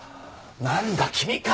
なんだ君か。